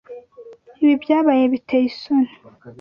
Ibi byaba biteye isoni.